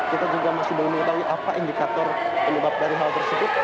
kita juga masih belum mengetahui apa indikator penyebab dari hal tersebut